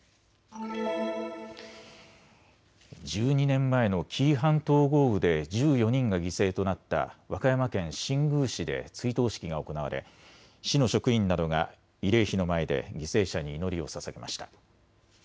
１２年前の紀伊半島豪雨で１４人が犠牲となった和歌山県新宮市で追悼式が行われ市の職員などが慰霊碑の前で犠牲者に祈りをささげました。